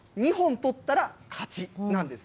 ２本とったら勝ちなんです。